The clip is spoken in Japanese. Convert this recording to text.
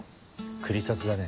クリソツだね。